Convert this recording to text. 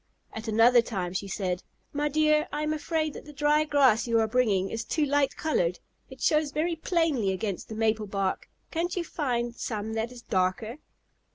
At another time she said: "My dear, I am afraid that the dry grass you are bringing is too light colored. It shows very plainly against the maple bark. Can't you find some that is darker?"